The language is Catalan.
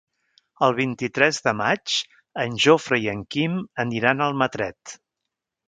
El vint-i-tres de maig en Jofre i en Quim aniran a Almatret.